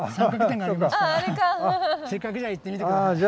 せっかくじゃ行ってみて下さい。